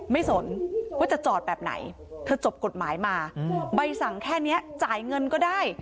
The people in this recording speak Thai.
สนว่าจะจอดแบบไหนเธอจบกฎหมายมาใบสั่งแค่นี้จ่ายเงินก็ได้